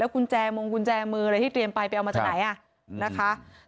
กุญแจมงกุญแจมืออะไรที่เตรียมไปไปเอามาจากไหนอ่ะนะคะ